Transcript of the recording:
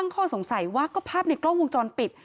ข้อสงสัยว่าก็ภาพในกล้องวงจรปิด